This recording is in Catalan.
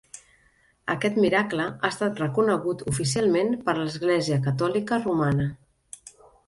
Aquest miracle ha estat reconegut oficialment per l'Església Catòlica Romana.